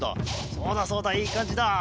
そうだそうだいいかんじだ。